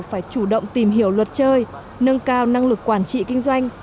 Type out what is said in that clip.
phải chủ động tìm hiểu luật chơi nâng cao năng lực quản trị kinh doanh